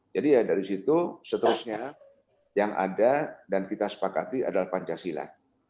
jadi ya dari situ seterusnya yang ada dan kita sepakati adalah pancasila